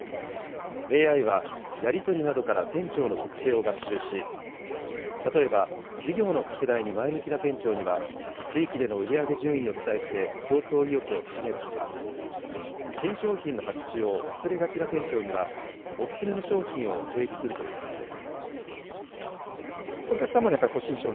ＡＩはやり取りなどから店長の特性を学習し、例えば事業の拡大に前向きな店長には、地域での売り上げ順位を伝えて競争意欲を高めるほか、新商品の発注を忘れがちな店長には、お薦めの商品を提示するということです。